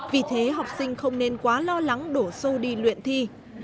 vì thế học sinh không nên quá lo lắng đổ xô đi luyện thi